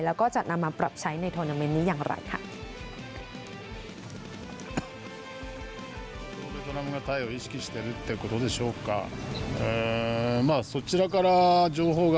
แล้วก็จะนำมาปรับใช้ในโทรนาเมนต์นี้อย่างไรค่ะ